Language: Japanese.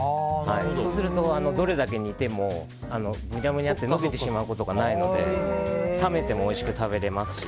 そうすると、どれだけ煮てもぐにゃぐにゃとなることがないので冷めてもおいしく食べれますし